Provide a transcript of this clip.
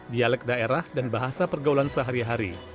dialek daerah dan bahasa pergaulan sehari hari